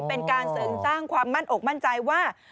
เป็นการเสริมสร้างความมั่นอกมั่นใจว่า